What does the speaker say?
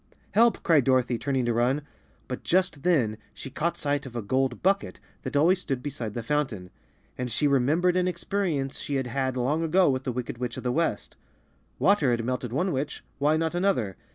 "Help!" cried Dorothy, turning to run. But just then she caught sight of a gold bucket that always stood beside the fountain, and she remembered an experience she had had long ago with the wicked witch of the West. Water had melted one witch— why not another?